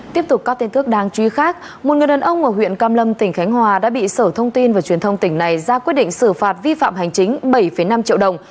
tiếp tục các tin tức đáng chú ý khác một người đàn ông ở huyện cam lâm tỉnh khánh hòa đã bị sở thông tin và truyền thông tỉnh này ra quyết định xử phạt vi phạm hành chính bảy năm triệu đồng